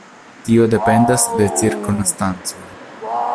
Tio dependas de cirkonstancoj.